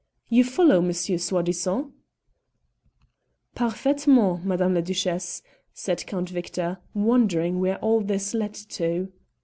You follow, Monsieur Soi disant?" "Parfaitement, Madame la Duchesse," said Count Victor, wondering where all this led to.